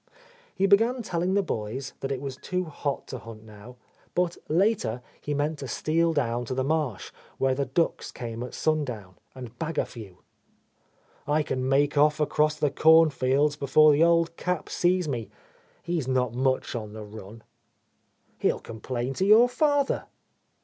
He began telling the boys that it was too hot to hunt now, but later he meant to steal down to the marsh, where the ducks came at sundown, and bag a few. "I can make off across the corn fields before the old Cap sees me. He's not much on the run." "He'll complain to your father."